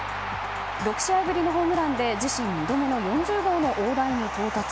６試合ぶりのホームランで自身２度目の４０号の大台に到達。